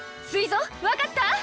すいぞうわかった？